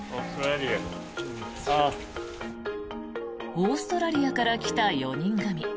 オーストラリアから来た４人組。